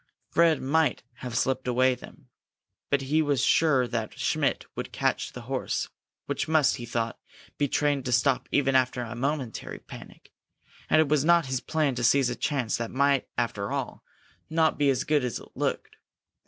Fred might have slipped away then, but he was sure that Schmidt would catch the horse, which must, he thought, be trained to stop even after a momentary panic. And it was not his plan to seize a chance that might after all not be as good as it looked.